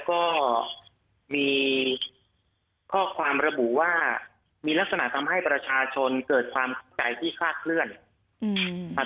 เป็นการสัมภาษณ์บุคคลภายนอก